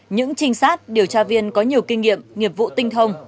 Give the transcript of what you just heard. những trinh sát điều tra viên có nhiều kinh nghiệm nghiệp vụ tinh thông